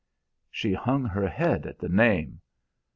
"She hung her head at the name.